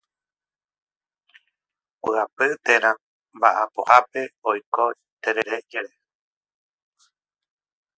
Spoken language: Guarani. Ogapy térã mba'apohápe oiko terere jere.